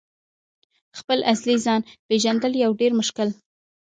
» خپل اصلي ځان « پیژندل یو ډیر مشکل